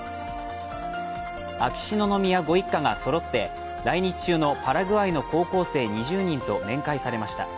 秋篠宮ご一家がそろって来日中のパラグアイの高校生２０人と面会されました。